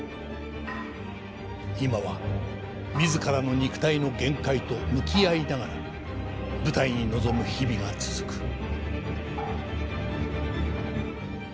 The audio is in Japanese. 今は自らの肉体の限界と向き合いながら舞台に臨む日々が続く。